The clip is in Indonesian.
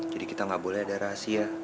jadi kita gak boleh ada rahasia